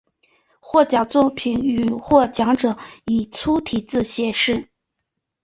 获奖作品与获奖者以粗体字显示。